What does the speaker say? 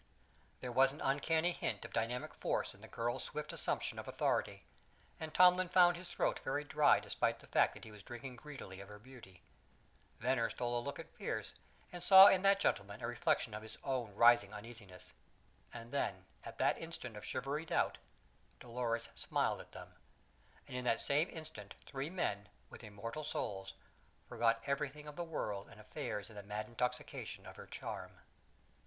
There was an uncanny hint of dynamic force in the girl's swift assumption of authority, and Tomlin found his throat very dry despite the fact that he was drinking greedily of her beauty. Venner stole a look at Pearse, and saw in that gentleman a reflection of his own rising uneasiness. And then, at that instant of shivery doubt, Dolores smiled at them; and in that same instant three men, with immortal souls, forgot everything of the world and affairs in the mad intoxication of her charm.